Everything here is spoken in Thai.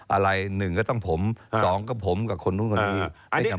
อะไรนึงก็ตั้งผมสองก็ผมกับคนโน้นก็ให้จำเป็น